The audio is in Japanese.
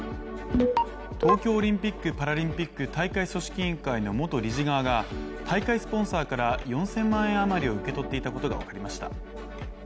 東京オリンピック・パラリンピック大会組織委員会の元理事側が大会スポンサーから４０００万円あまりを受け取っていたことが分かりました。